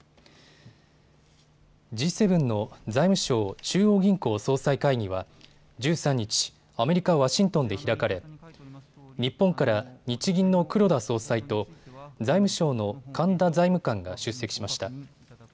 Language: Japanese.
Ｇ７の財務相・中央銀行総裁会議は１３日、アメリカ・ワシントンで開かれ日本から日銀の黒田総裁と財務省の神田財務官が出席しました。